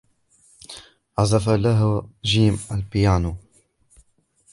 عزف لها جيم البيانو.